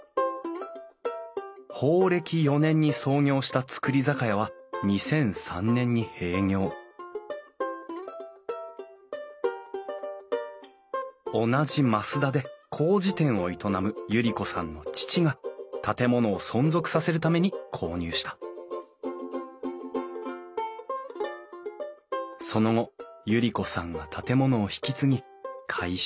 宝暦４年に創業した造り酒屋は２００３年に閉業同じ増田でこうじ店を営む百合子さんの父が建物を存続させるために購入したその後百合子さんが建物を引き継ぎ改修。